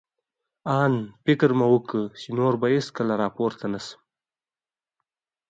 آن فکر مې وکړ، چې نور به هېڅکله را پورته نه شم.